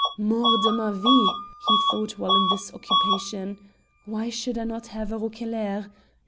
"Mort de ma vie!" he thought while in this occupation, "why should I not have a roquelaire?